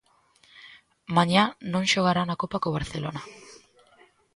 Mañá non xogará na Copa co Barcelona.